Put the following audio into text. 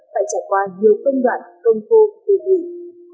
phải trải qua nhiều công đoạn công phu tùy dụng